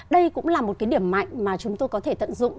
đây cũng là một cái điểm mạnh mà chúng tôi có thể tận dụng